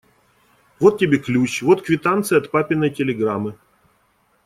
Вот тебе ключ, вот квитанция от папиной телеграммы.